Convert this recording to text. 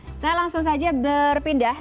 oke saya langsung saja berpindah